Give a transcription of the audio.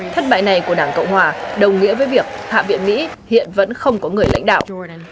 thất bại này của đảng cộng hòa đồng nghĩa với việc hạ viện mỹ hiện vẫn không có người lãnh đạo